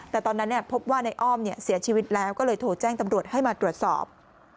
แต่ตอนนั้นพบว่าในอ้อมเสียชีวิตแล้วก็เลยโทรแจ้งตำรวจให้มาตรวจสอบ